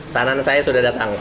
sanan saya sudah datang